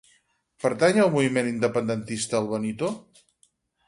Pertany al moviment independentista el Benito?